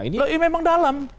ini memang dalam